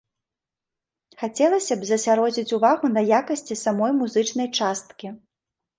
Хацелася б засяродзіць увагу на якасці самой музычнай часткі.